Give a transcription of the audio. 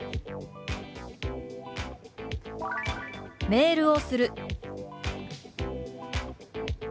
「メールをする」。